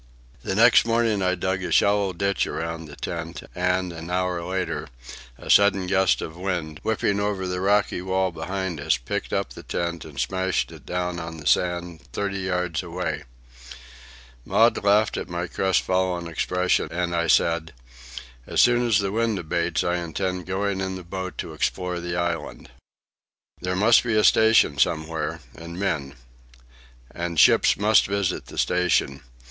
The next morning I dug a shallow ditch around the tent, and, an hour later, a sudden gust of wind, whipping over the rocky wall behind us, picked up the tent and smashed it down on the sand thirty yards away. Maud laughed at my crestfallen expression, and I said, "As soon as the wind abates I intend going in the boat to explore the island. There must be a station somewhere, and men. And ships must visit the station.